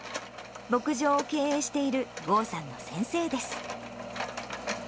牧場を経営している豪さんの先生です。